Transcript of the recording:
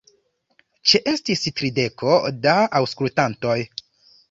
Ĉeestis trideko da aŭskultantoj.